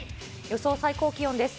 予想最高気温です。